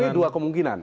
pdip dua kemungkinan